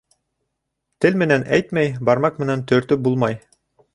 Тел менән әйтмәй бармак менән төртөп булмай.